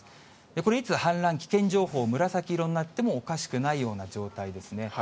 これ、いつ氾濫危険情報、紫色になってもおかしくないような状態ですね。